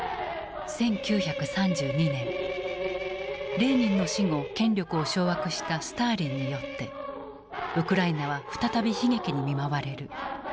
レーニンの死後権力を掌握したスターリンによってウクライナは再び悲劇に見舞われる。